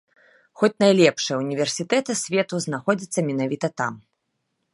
Хоць найлепшыя ўніверсітэты свету знаходзяцца менавіта там.